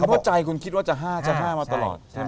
เป็นเพราะใจคุณคิดว่าจะ๕มาตลอดใช่ไหมครับ